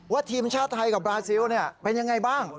ทีมชาติไทยกับบราซิลเป็นยังไงบ้าง